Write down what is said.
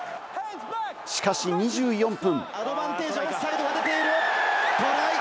しかし２４分。